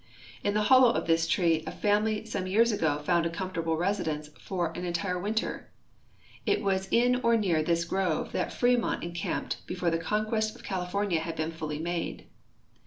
In the hollow of this tree a family some years ago found a comfortable residence for an entire winter. It was in or near this grove that Fremont en camped before the conquest of California had been fully made.